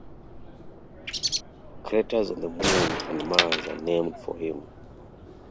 Craters on the Moon and Mars are named for him.